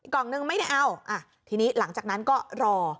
กล่องนึงไม่ได้เอาทีนี้หลังจากนั้นก็รอ